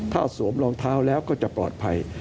ถ้าสวมรองเท้าแล้วก็จะปลอดภัย